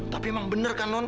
tapi emang bener kan non